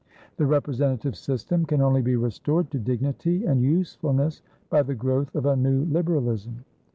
The representative system can only be restored to dignity and usefulness by the growth of a new Liberalism.